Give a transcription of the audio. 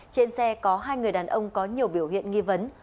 trên xe có hai người đàn ông có nhiều biểu hiện nghi vấn